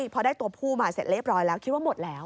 พอได้ตัวผู้มาเสร็จเรียบร้อยแล้วคิดว่าหมดแล้ว